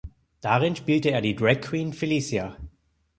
Darin spielte er die Dragqueen Felicia.